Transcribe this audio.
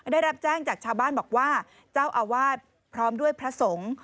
ได้รับแจ้งจากชาวบ้านบอกว่าเจ้าอาวาสพร้อมด้วยพระสงฆ์